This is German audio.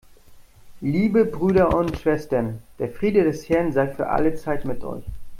Liebe Brüder und Schwestern, der Friede des Herrn sei für alle Zeit mit euch.